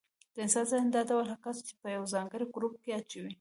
د انسان ذهن دا ډول کس په یو ځانګړي ګروپ کې اچوي.